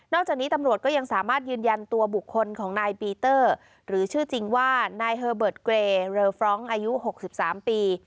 จากนี้ตำรวจก็ยังสามารถยืนยันตัวบุคคลของนายปีเตอร์หรือชื่อจริงว่านายเฮอร์เบิร์ตเกรเรอฟรองก์อายุ๖๓ปี